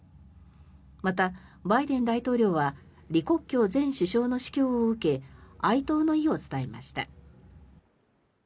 またバイデン大統領は李克強前首相の死去を受け哀悼の意を伝えました。